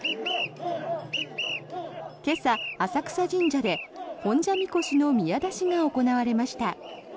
今朝、浅草神社で本社神輿の宮出しが行われました。